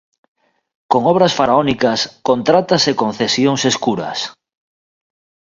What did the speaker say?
Con obras faraónicas, contratas e concesións escuras?